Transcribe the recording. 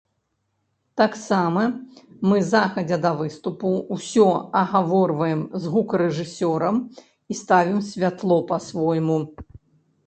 Таксама мы загадзя да выступу ўсё агаворваем з гукарэжысёрам і ставім святло па-свойму.